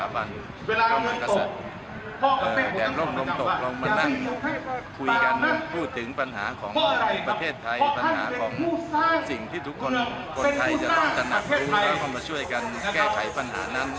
ภัณฑ์ของประเทศไทยภัณฑ์ของสิ่งที่ทุกคนคนไทยจะต้องตระหนักดูแล้วก็มาช่วยกันแก้ไขภัณฑ์นั้น